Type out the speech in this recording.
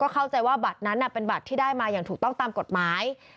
เข้าใจว่าบัตรนั้นเป็นบัตรที่ได้มาอย่างถูกต้องตามกฎหมาย